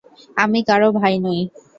আমি কারো ভাই নই।